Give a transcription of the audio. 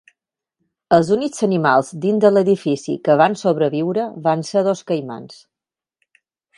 Els únics animals dins de l'edifici que van sobreviure van ser dos caimans.